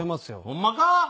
ほんまか？